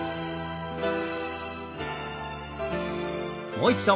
もう一度。